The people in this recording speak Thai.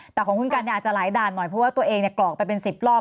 แต่ของคุณกันเนี่ยอาจจะหลายด่านหน่อยเพราะว่าตัวเองเนี่ยกรอกไปเป็น๑๐รอบ